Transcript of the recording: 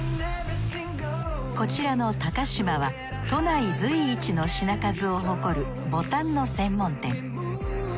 こちらのタカシマは都内随一の品数を誇るボタンの専門店。